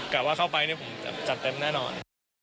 กลับว่าเข้าไปผมจะจัดเต็มแน่นอน